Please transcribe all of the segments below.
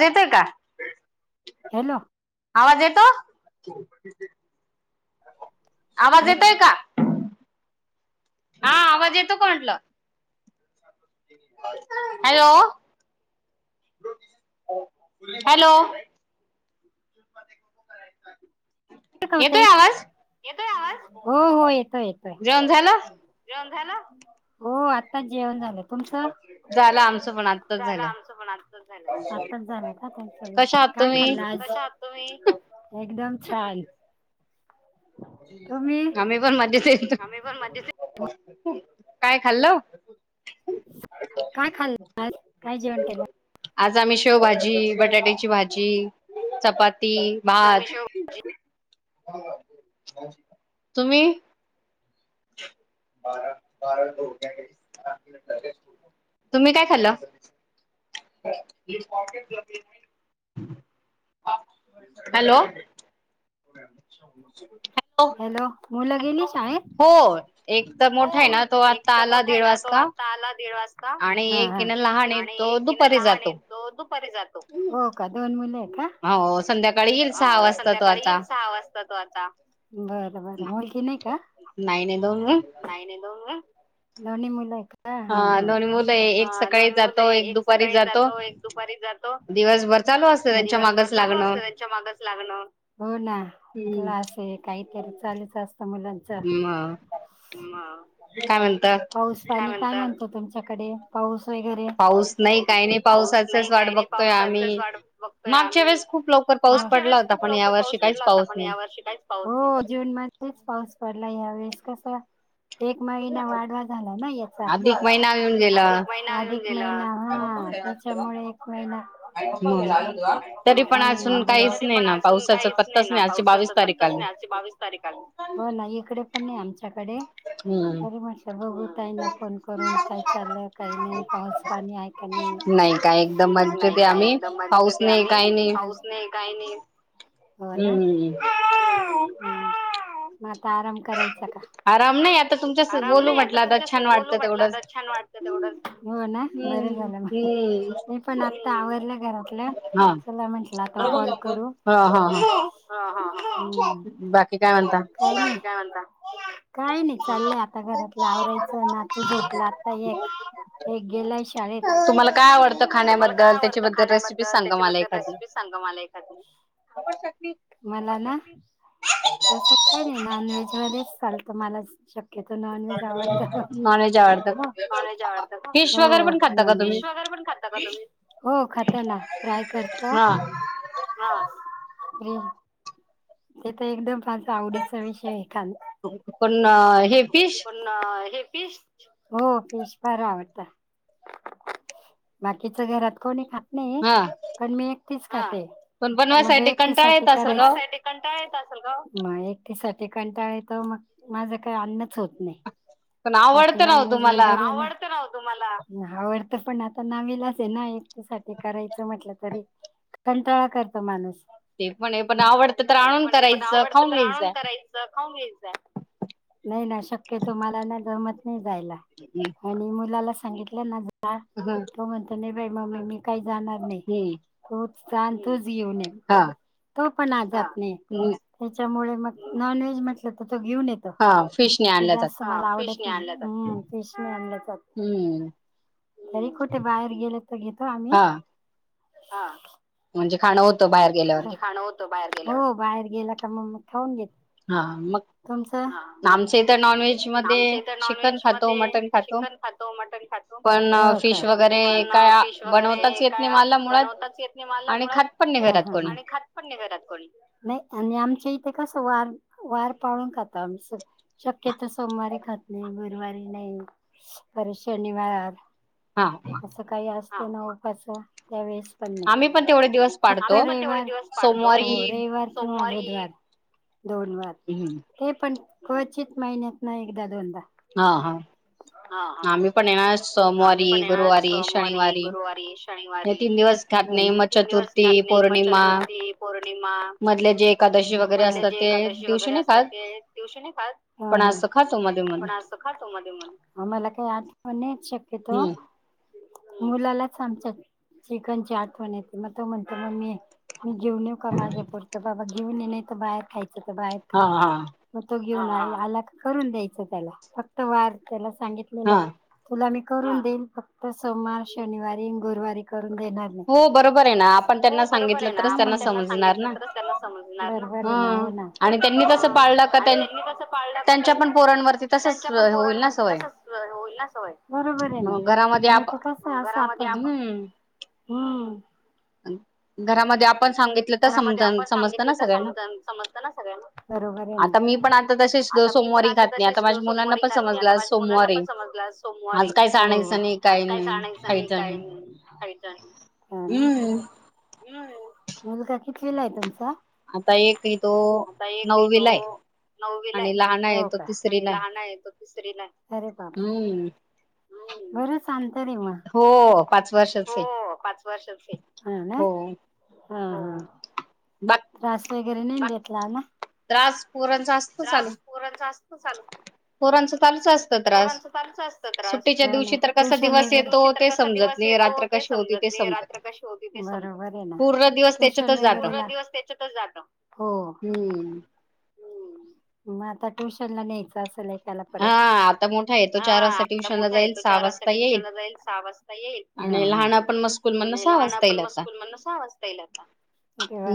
येतोय का? हॅलो आवाज येतो आवाज येतोय का? हा आवाज येतो का म्हटलं? हॅलो हॅलो [inaudible] कट होतय येतोय आवाज हो हो येतोय येतोय जेवण झालं? हो आ त्ताच जेवण झालं. तुमचं? झालं आमचं पण आत्ताच झालं आत्ताच झालं. काय खाल्ल आज? कशा आहात तुम्ही? एकदम छान. आम्ही पण मदेच येत. काय खाल्ल? काय खाल्लं आज, काय जेवण केलं? आज आम्ही शेवभाजी, बटाट्याची भाजी, चपाती ज आम्ही शेवभाजी [inaudible] तुम्ही? तुम्ही काय खाल्लं? [unintelligible] Hello hello. हॅलो मुलं गेली शाळेत? हो एक त मोठा आय ना तो आत्ता आला दीड वाजता. हा हा आणि एक ए ना लहान ए तो दुपारी जातो. हो का दोन मुल आय का? हवं संध्याकाळी येईल सहा वाजता तो आता. तो आता. बर बर मुलगी नाय का? नाय नाय दोन [unintelligible] दोन्ही मुलं आहेत. हा दोन्ही मुलं आय एक सकाळी जातो एक दुपारी जातो. दिवसभर चालू असतं त्यांच्या मागच लागणं. लागण, हो ना क्लास हे काहीतरी चालूच असतं मुलां म काय म्हणता? पाऊस पाणी काय म्हणतो तुमच्याकडे पाऊस वगैरे? पाऊस नाय काय नाय पावसाचच वाट बघतोय आम्ही मागच्या वेळेस खूप लवकर पाऊस पडला होता पण या वर्षी कायच पाऊस नाय. हो जून मध्येच पाऊस पडला यावेळेस कसा? एक महिना वाढवा झाला ना याचा अधिक महिना हा. [unintelligible] तरी पण अजून काहीच नाय ना पावसाचा पत्ताच नाय आजची बावीस तारीख आली. हो ना इकडे पण नाय आमच्याकडे. तरी म्हटल बघू ताईंना फोन करून काय चाललं काही नाय पाहायच. पाणी हाय का नाई? एकदम मंचुलि आम्ही आम्ही पाऊस नाय काय नाय. हो ना? हम् हम् हम्. म आता आराम करायचा का? आराम नाय आता तुमच्यास बोलू म्हटलं आता छान वाट त तेवढच. हो ना बरं झालं म- मी पण आता आवरलं घरातलं. चला म्हंटलं आता कॉल करू. हा हा हम्म, बाकी काय म्हणता? काय नाय चाललंय आता घरातला आवरायचं नातू झोपला आता एक. हे गेलाय शाळेत. तुम्हाला काय आवडतं खाण्याबद्दल त्याच्याबद्दल रेसिपी सांग मला एखादी. मला ना? तसं काय नाय नॉनव्हेज मध्येच चालतं मला शक्यतो नॉन व्हेज आवडत. नॉनव्हेज आवडत का फिश वगैरे पण खातात का तुम्ही? हो खातो ना फ्राय करतो. हा ते तर एकदम [inaudible] फझ आवडीचा विषय आहे काल. पण हे फिश हे [inaudible] पीस हो [inaudible] पीस फार आवडत बाकीच घरात कोणी खात नाही. पण मी एकटीच खाते. मग एकटी साठी [inaudible] करा कंटाळा [inaudible] असल मग [inaudible] एकटीसाठीठी कंटाळाेतं मग माझं काही अन्नच होत नाही पण आवडत नव तु मला. [inaudible] तुमला आवडतं पण आता नावील अस आहे ना एकटीसाठीठी करायचं म्हटलं तरी कंटाळा करतो माणूस. ते पण [inaudible] पण आवडत तर आणून करायचं खाऊन घ्यायचंय. [inaudible] घ नाही ना शक्यतो मला ना [inaudible] गमत नाही जायला. हम्. [inaudible] आणि मुलाला सांगितलं ना जा. हा. [inaudible] म्हणत नाही बाई मम्मे मी काही जाणार नाही तूच जा, आणि तूच घेऊन ये. तो पण आ जात नाही. हम्. त्याच्यामुळे मग नॉन व्हेज म्हटलं तर तो घेऊन येतो ते जास्त [inaudible] मला आवड. [inaudible] फिश आणलं तर [inaudible] कोण कुठे बाहेर गेल तर घेतो आम्ही म्हणजे खांन होतं बाहेर गेल्यावर. हो बाहेर गेला का मग खाऊन घेत हा मग तुमचं? आमचे इथ नॉनव्हेज [inaudible] हो का? वगैरे काय बनवताच येत नाही मला मुळात, आणि खात पण नाही घरात कोणी. नाही, आणि आमच्या इथे कस वार- वार पाळून खातो आम्ही शक्य त सोमवारी खात नाही. गुरुवारी नाही. परत शनिवार हा. काही असत ना वो [inaudible] तास त्यावेळेस पण नाही फक्त रविवार, हो रविवार सोमवार, बुधवार दोन वार हमं. ते पण क्वचित महिन्यात न एकदा दोनदा. हा हा. आम्ही पण हे ना सोमवारी, गुरुवारी, शनिवारी हे तीन दिवस खात नाही म चतुर्थी, पौर्णिमा मधल्या जे एकादशी वगैरे असतात. ते दिवशी नाही खात पण असं खातो मध्ये [inaudible] म्हन मला काही आठवण नाही येत शक्यतो मुलालाच आमच्या चिकनची आठवण येते म तो म्हणतो मम्मी मी घेऊन येऊ का माझ्या पुुरत बाबा घेऊन ये नाही. तर बाहेर खायच तर बाहेर हा हा. मग तो घेऊन आ आला करून द्यायच त्याला, फक्त वार त्याला सांगितलेलं आहे. तुला मी करून देईन फक्त सोमवार, शनिवारी आणि गुरुवारी करून देणार. हो बरोबर ए ना. आपण त्यांना सांगितलं तरच त्यांना समजणारना? बरोबर ए ना. हो ना. आणि त्यांनी तसं पाळलं का त्यां त्यांच्या पण पोरांवरती तसंच होईल ना? ते तसंच होईल ना सवय? बरोबर ए ना. नाही तर कसय अस आपण - हम्. हम्. घरामध्ये आपण सांगित- घरामध्ये आपण सांगितलं तर समजलं समजतं ना सगळ्यांना? बरोबर ए ना. आता मी पण असच - तशीच सोमवारी घातली. आता माझ्या मुलांना पण समजलं आज सोमवार ए. हो. आज काहीच आणायचं नाही. काही नाही खायचं [unintelligible] हम्म. हम्म. मुलगा कितवीला आहे तुमचा? आता एक ए - आता एक ये तो नववी ला ए. हो का? आणि लहाना ए तो - दुसरीला ए. बरच आंतर आहे म. हो. पाच वर्षाच ए. हो ना? हां. हां. बात - त्रास वगैरे नाहीे देतला ना? त्रास- तास पोराचा असतो चालू. पोरांच त चालूच असत त्रास. हो ना. ट्युशन वगैरे, सुट्टीच्या दिवशी तर कसा दिवस येतो- ते समजत नाही. रात्र कशी होती ते समजतं, बरोबर ए ना. ट्युशन वगैरे? दिवस त्याच्यातच जातो. हम्म. म आता ट्युशनला न्यायचं असल एकाला? परत. हां. आता मोठा आहेे तो चार वाजता ट्युशनला जाईल. सहा वाजता येईल. हां. हां. आणि लहाना पण म स्कूल मधन सहा वाजता येईल आता. देवा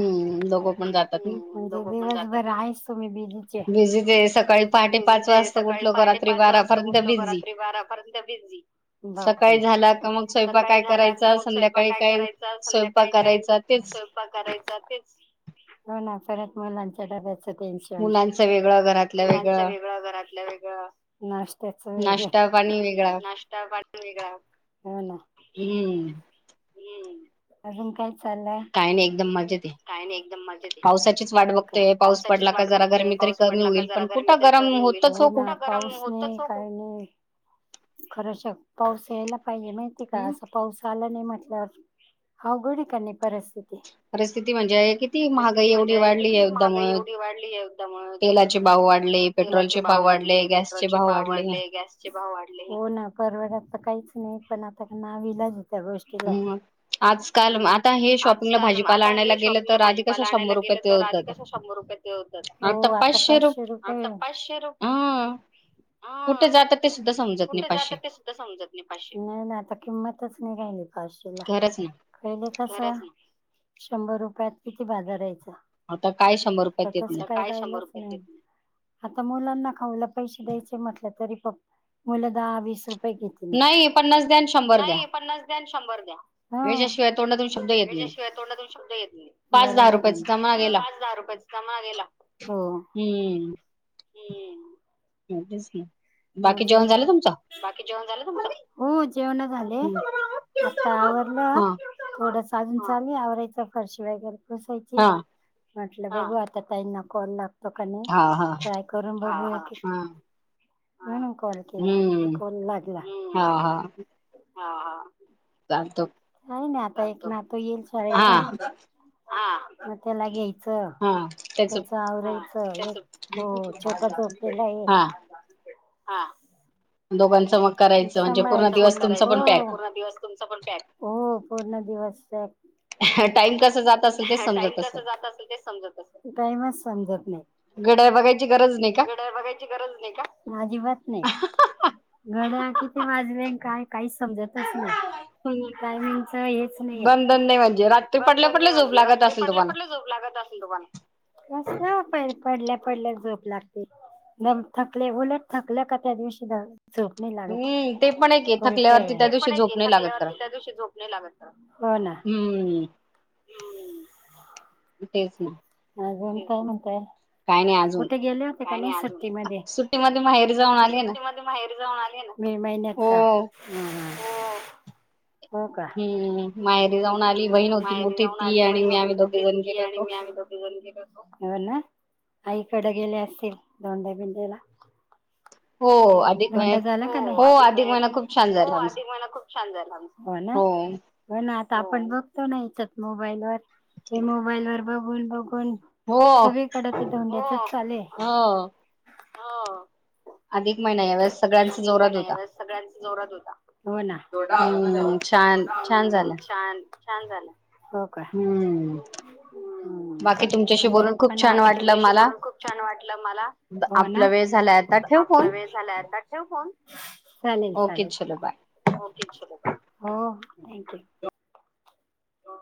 म्हणजे दिवसभर आहेच तुम्ही बिझीच ए. [unintelligible] ते सकाळी- बिझी. ते सकाळी पहाटे पाच वाजता उठलो का रात्री बारापर्यंत बिझी. बापरे! सकाळी झाल आता तर म स्वयंपाक काय करायचा? संध्याकाळी काय स्वयं - -पाक करायचा तेच. हो ना परत मुलांच्या डब्याच- मुलांचं वेगळं घरात- मुलांचं वेगळं. घरातलं वेगळं. नाश्त्याचं वेगळं. नास्ता पाणी वेगळा. हो ना. हम्म. हम्म. अजून काय चाललय? काही नाही. एकदम मस्त. [unintelligible] पावसाचीच वाट बघतोय. पाऊस पडला का जरा गरमी तरी कमी होईल पण - कुठं गरम होतच हो. पाऊस नाही काही नाही. खरंच ए पाऊस यायला पाहिजे माहितीय का? असं- पाऊस आला नाही म्हटल्यावर अवघड ए का नाही परिस्थिती? परिस्थिती म्हणजे की- -ती महागाई एवढी वाढली आहे त्यामुळ. तेलाचे भाव वाढले. पेट्रोलचे भाव वाढले. गॅसचे भाव वाढले. चे भाव वाढले, हो ना परवडत तर काहीच नाही पण आता नावीलाज हे त्या गोष्टी ला मग आजकाल आता हे शॉप भाजीपाला आणायला गेल तर आधी कस शंभर रुपयात हे होता हो आता पाचशे रुपये आता पाचशे रुपये. हा कुठे जात ते? समजत नाही पाचशे नाही नाही ना आता किंमतच नाही राहिली पाचशेला. पहिले कस शंभर रुपयात किती बाजार यायचा. आता काय शंभर तसं काय राहिलंच नाही आता, आता काय शंभर रुपयात येतय. आता मुलांना खाऊला पैसे द्यायचे म्हटलं तरी बग मुलं दहा वीस रुप ये घेत नाही नाही पन्नास द्या आणि शंभर द्या. ह याशिवाय तोडातून शब्द येत नाही, बरोबर आहे ना पाच हजार रुपया [unintelligible] हो हम्म. हम्म. हा तेच की, अच्छा बाकी जेवण झालं तुमच हो जेवण झाले. आता आवरल. थोडंस आजून चालू आवरायच फरशी वगैरे पुसायची म्हटलं बघू आता ताईना कॉल लागतो का नाही ट्राय करून बघूया की म्हणून कॉल केला तर कॉल लागला हम्म हा हा. चालत. हाय ना आता एक नातू येईल शाळेतून मग त्याला घ्यायचं. त्याच आवरायचं हो छोटा झोपलेला आहे. हा. दोघांच मग सभाळायच पूर्ण दिवस तुमचा पण त्यात हो पूर्ण दिवस त्यात. ह टाइम कस जात टाइम कस जात असेल ते समजत नसेल टाईमच समजत नाही. घड्या बघायची गरज नाही का? घड्याळ बघायची गरज नाही का आजिबात नाही. घड्या किती वाजल्या काय काहीच समजत च नाही टयमिंगच हेच नाही आहे. बंधन नाही म्हणजे बंधन नाही म्हणजे रात्री पडल्या पडल्या झोप लागत अस ल तुम्हाला कसं पडल्या पडल्या झोप लागते. दम थकले उलट थकले का त्या दिवशी द झोप नाही लागत ते पण आहे थकल्यावरती त्या दिवशी झोप नाही लागत. हो ना. हम्म. हम्म. तेच ना. [unintelligible] नको हाय. कुठे गेले होते का नाही सुट्टीमध्ये? सुट्टीमध्ये माहेरी जाऊन आले ना मे महिन्यात का? हो. हो का. हम्म, मा हम्म माहेरी जाऊन आली, बहीण होती मोठी आणि मी आम्ही दोेघी जण गलो होतो. आईकडे गेले असतील दोंडे्या बिंडेला हो. धोंडा झाला का नाही? हो अधिक हो अधिक महिना खूप छान झाला आमचा. हो ना आता आपण बघतो ना याच्यात मोबाईल वर, ते मोबाईल वर बघून बघून सगळीकडे ते धोंड्याचच चाले, हो हो. अधिक महिना यावेळेस सगळ्यांचा जोरात होता. छान -छान झाला. छान- छान झालं. हो का? ह्, आमच्या पप्पा, बाकी तुमच्याशी बोलून खूप छान वाटलं मला. आपला वेळ झालाय आता. ठेवू फोन? आ ठेव फोन? चालेल चालेल. ओके चलो बाय, हो थँक्यू.